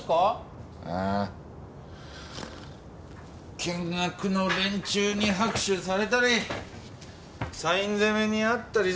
見学の連中に拍手されたりサイン攻めにあったりさ。